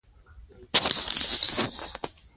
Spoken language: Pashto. ستا د غم سودا کې نه ګورم وارې ته